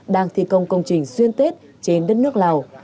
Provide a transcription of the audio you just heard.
đang thi công công trình xuyên tết trên đất nước lào